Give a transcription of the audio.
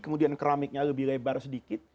kemudian keramiknya lebih lebar sedikit